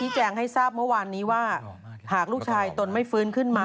ใช่ค่ะนี่แหลมค่ะ